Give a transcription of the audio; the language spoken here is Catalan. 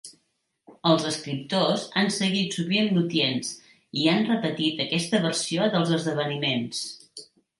Els escriptors han seguit sovint Lutyens i han repetit aquesta versió dels esdeveniments.